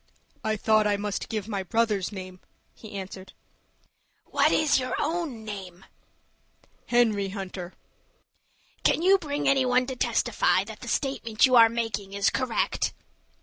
"I thought I must give my brother's name," he answered. "What is your own name?" "Henry Hunter." "Can you bring any one to testify that the statement you are making is correct?"